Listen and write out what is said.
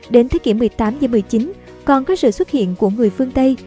đến thế kỷ một mươi tám một mươi chín còn có sự xuất hiện của người phương tây